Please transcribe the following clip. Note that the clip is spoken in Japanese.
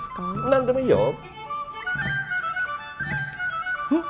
何でもいいよ。